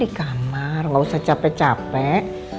di kamar gausah capek capek